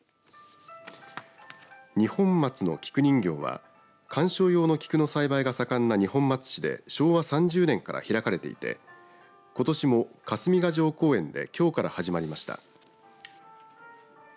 二本松の菊人形は観賞用の菊の栽培が盛んな二本松市で昭和３０年から開かれていてことしも霞ヶ城公園できょうから始まりました。